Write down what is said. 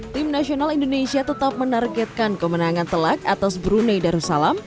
tim nasional indonesia tetap menargetkan kemenangan telak atas brunei darussalam